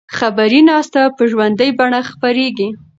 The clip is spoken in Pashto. خبري ناسته په ژوندۍ بڼه خپریږي.